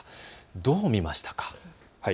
どう見ましたか。